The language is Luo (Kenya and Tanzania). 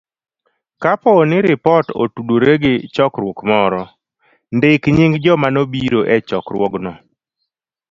Kapo ni ripot otudore gi chokruok moro, ndik nying joma nobiro e chokruogno.